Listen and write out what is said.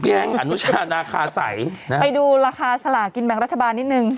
พี่แอ้งอนุชาติราคาใสนะฮะไปดูราคาสลากินแบงค์รัฐบาลนิดหนึ่ง